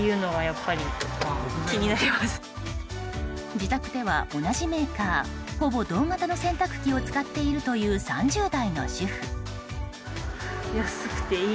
自宅では同じメーカーほぼ同型の洗濯機を使っているという３０代の主婦。